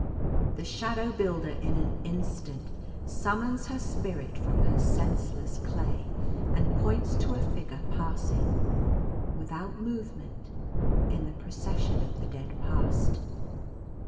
The Shadow Builder in an instant summons her spirit from her senseless clay, and points to a figure passing, without movement, in the Procession of the Dead Past.